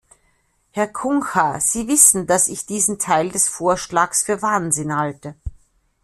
Herr Cunha, Sie wissen, dass ich diesen Teil des Vorschlags für Wahnsinn halte.